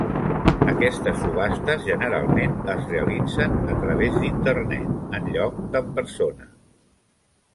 Aquestes subhastes generalment es realitzen a través d'Internet, en lloc d'en persona.